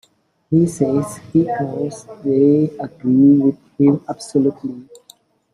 He says he knows they agree with him absolutely.